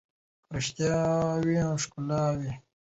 که رښتیا وي نو ښکلا وي.